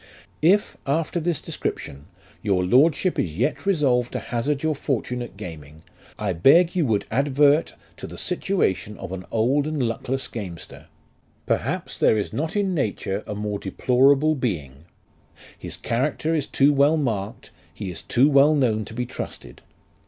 " If, after this description, your lordship is yet resolved to hazard your fortune at gaming, I beg you would advert to the situation of an old and luckless gamester. Perhaps there is not in nature a more deplorable being : his character is too well marked, he is too well known to be trusted.